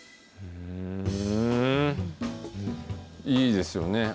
いいですよね。